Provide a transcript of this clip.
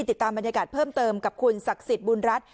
ติดตามบรรยากาศเพิ่มเติมกับคุณศักดิ์สิทธิ์บุญรัฐ